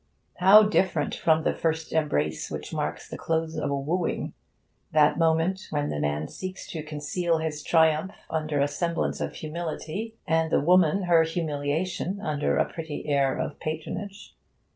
How different from the first embrace which marks the close of a wooing! that moment when the man seeks to conceal his triumph under a semblance of humility, and the woman her humiliation under a pretty air of patronage.